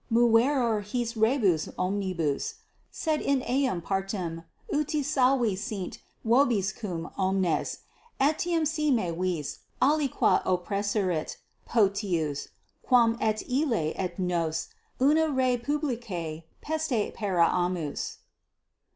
Moveor his rebus omnibus, sed in eam partem, uti salvi sint vobiscum omnes, etiam si me vis aliqua oppresserit, potius, quam et illi et nos una rei publicae peste pereamus.